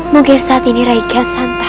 mungkin saat ini rakyat santan